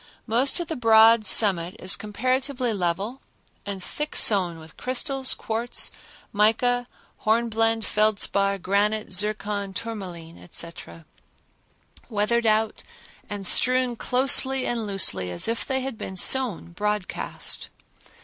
Most of the broad summit is comparatively level and thick sown with crystals, quartz, mica, hornblende, feldspar, granite, zircon, tourmaline, etc., weathered out and strewn closely and loosely as if they had been sown broadcast.